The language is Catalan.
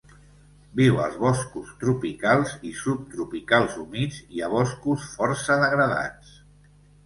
Viu als boscos tropicals i subtropicals humits i a boscos força degradats.